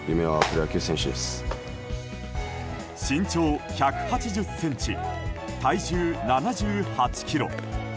身長１８０ｃｍ体重７８ｋｇ。